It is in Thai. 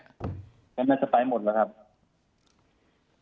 น่าจะไปหมดแล้วครับ